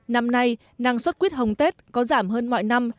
năm nay năng suất quýt hồng tết có giảm hơn mọi năm